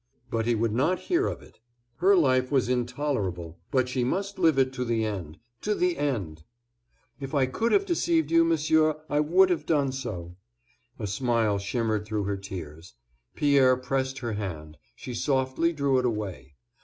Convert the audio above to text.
But he would not hear of it. Her life was intolerable—but she must live it to the end—to the end. "If I could have deceived you, Monsieur, I would have done so." A smile shimmered through her tears. Pierre pressed her hand; she softly drew it away.